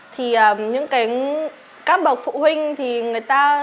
thì những cái các bậc phụ huynh thì người ta